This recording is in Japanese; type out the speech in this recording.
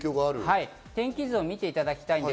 天気図を見ていただきます。